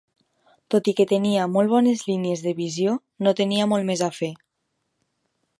Tot i que tenia molt bones línies de visió, no tenia molt més a fer.